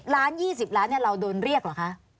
ล้าน๒๐ล้านเราโดนเรียกเหรอคะ